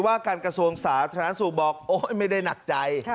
ว่าการกระทรวงสาธารณสุขบอกโอ๊ยไม่ได้หนักใจ